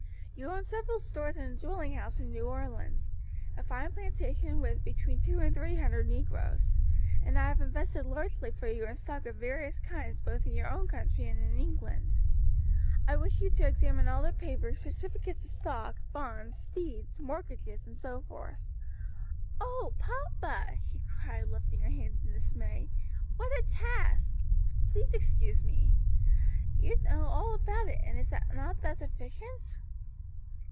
You own several stores and a dwelling house in New Orleans, a fine plantation with between two and three hundred negroes, and I have invested largely for you in stocks of various kinds both in your own country and in England. I wish you to examine all the papers, certificates of stock, bonds, deeds, mortgages, and so forth." "Oh, papa!" she cried, lifting her hands in dismay, "what a task. Please excuse me. You know all about it, and is not that sufficient?"